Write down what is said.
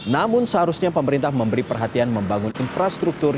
namun seharusnya pemerintah memberi perhatian membangun infrastruktur